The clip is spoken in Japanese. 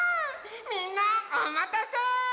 みんなおまたせ！